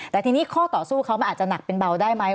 แต่ทีนี้ข้อต่อสู้เขามันอาจจะหนักเป็นเบาได้ไหม